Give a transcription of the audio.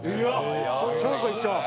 小学校一緒？